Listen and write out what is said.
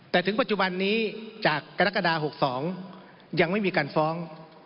แต่ถึงปัจจุบันนี้จากกรกฎา๖๒ยังไม่มีการฟ้อง